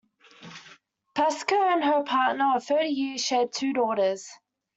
Pascoe and her partner of thirty years shared two daughters.